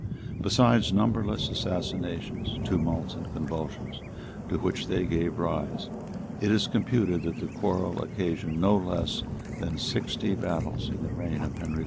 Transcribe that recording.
Besides numberless assassinations, tumults, and convulsions, to which they gave rise, it is computed that the quarrel occasioned no less then sixty battles in the reign of Henry IV.